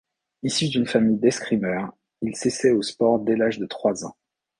Issu d'une famille d'escrimeurs, il s'essaie au sport dès l'âge de trois ans.